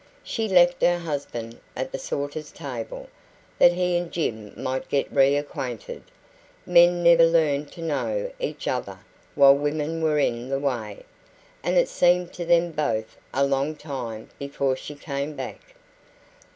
She left her husband at the sorter's table, that he and Jim might get reacquainted men never learned to know each other while women were in the way and it seemed to them both a long time before she came back.